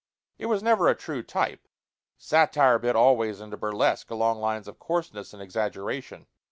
It was never a true type: satire bit always into burlesque along lines of coarseness and exaggeration.